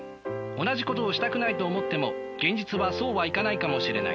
同じことをしたくないと思っても現実はそうはいかないかもしれない。